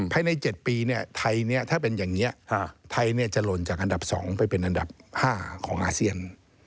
ภายใน๗ปีไทยนี้ถ้าเป็นอย่างนี้ไทยจะหล่นจากอันดับ๒ไปเป็นอันดับ๕ของอาเซียน